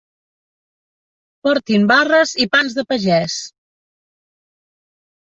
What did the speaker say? Portin barres i pans de pagès.